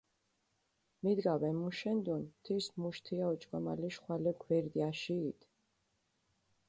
მიდგა ვემუშენდუნ, თის მუშ თია ოჭკომალიშ ხვალე გვერდი აშიიდჷ.